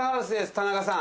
田中さん。